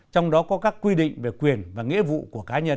trong đó có các quy định về quyền và nghĩa vụ của cá nhân